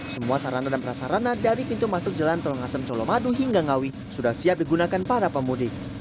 semua sarana dan prasarana dari pintu masuk jalan tol ngasem colomadu hingga ngawi sudah siap digunakan para pemudik